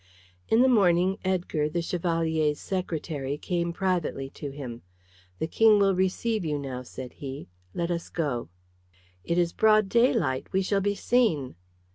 In the morning Edgar, the Chevalier's secretary, came privately to him. "The King will receive you now," said he. "Let us go." "It is broad daylight. We shall be seen."